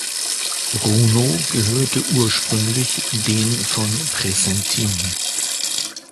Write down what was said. Runow gehörte ursprünglich den von Pressentin.